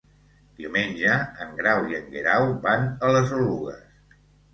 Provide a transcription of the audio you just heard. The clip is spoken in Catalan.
Diumenge en Grau i en Guerau van a les Oluges.